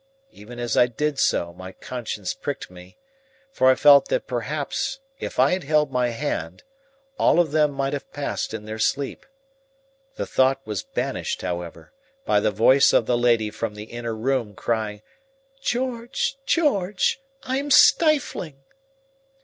Even as I did so my conscience pricked me, for I felt that perhaps if I had held my hand all of them might have passed in their sleep. The thought was banished, however, by the voice of the lady from the inner room crying: "George, George, I am stifling!"